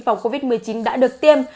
phòng covid một mươi chín đã được tiêm